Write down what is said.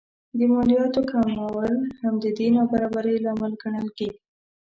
د مالیاتو کمول هم د دې نابرابرۍ لامل ګڼل کېږي